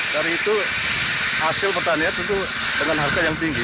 dari itu hasil petani itu dengan harga yang tinggi